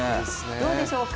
どうでしょうか